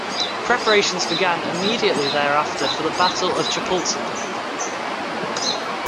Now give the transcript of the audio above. Preparations began immediately thereafter for the Battle of Chapultepec.